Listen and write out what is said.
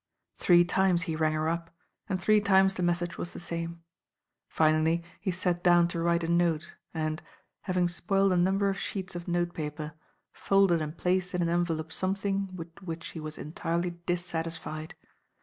Three times he rang her up, and three times the message was the same. Finally he sat down to write a note and, having spoiled a number of sheets of note paper, folded and placed in an envelope something with which he was entirely dissatisfied.